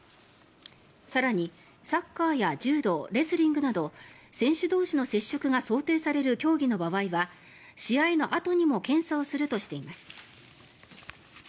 更に、サッカーや柔道レスリングなど選手同士の接触が想定される競技の場合は試合のあとにも検査をするとしています。